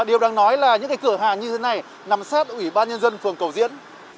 điều đang nói là những cửa hàng như thế này nằm sát ủy ban nhân dân phường cầu diễn